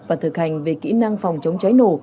và thực hành về kỹ năng phòng chống cháy nổ